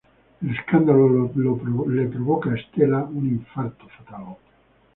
El escándalo le provoca a Estela un infarto fatal.